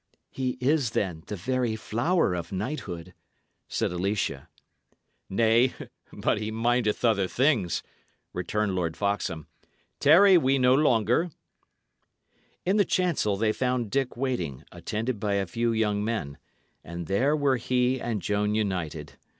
"He is, then, the very flower of knighthood," said Alicia. "Nay, he but mindeth other things," returned Lord Foxham. "Tarry we no more." In the chancel they found Dick waiting, attended by a few young men; and there were he and Joan united.